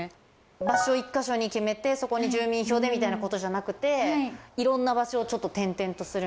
場所を１か所に決めてそこに住民票でみたいなことじゃなくていろんな場所を転々とする。